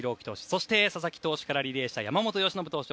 そして、佐々木投手からリレーした山本由伸投手